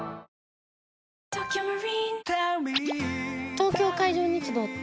東京海上日動って？